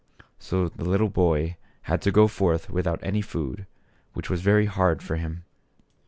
So the little boy had to go forth without any food, which was very hard for him.